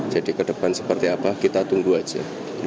jadi ke depan seperti apa kita tunggu saja